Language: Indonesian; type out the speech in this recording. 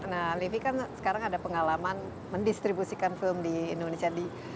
nah livi kan sekarang ada pengalaman mendistribusikan film di indonesia